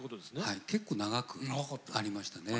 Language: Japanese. はい結構長くありましたね。